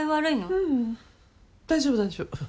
ううん大丈夫大丈夫。